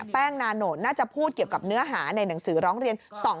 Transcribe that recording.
แป้งนาโนตน่าจะพูดเกี่ยวกับเนื้อหาในหนังสือร้องเรียน